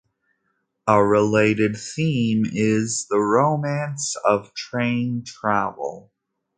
A related theme is the "romance of train travel".